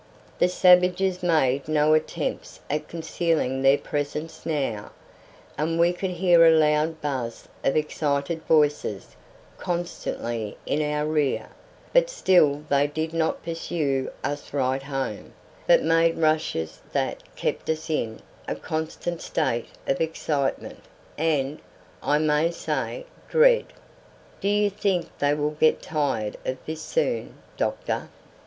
The savages made no attempts at concealing their presence now, and we could hear a loud buzz of excited voices constantly in our rear, but still they did not pursue us right home, but made rushes that kept us in a constant state of excitement and, I may say, dread. "Do you think they will get tired of this soon, doctor?"